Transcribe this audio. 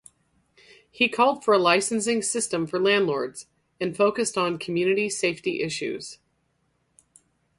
He called for a licensing system for landlords, and focused on community safety issues.